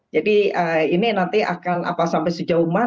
jadi ini nanti akan sampai sejauh mana